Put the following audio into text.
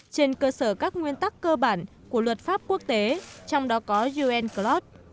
trên cơ sở các nguyên tắc cơ bản của luật pháp quốc tế trong đó có unclos